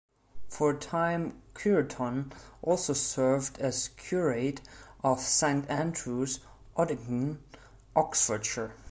For a time Cureton also served as curate of St.Andrew's, Oddington, Oxfordshire.